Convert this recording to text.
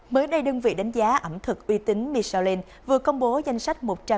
mới đây đơn vị đánh giá ẩm thực uy tín michelin vừa công bố danh sách